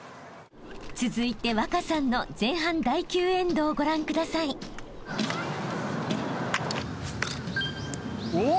［続いて稚さんの前半第９エンドをご覧ください］おっ！